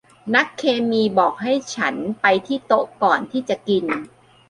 นักเคมีบอกให้ฉันไปที่โต๊ะก่อนที่จะกิน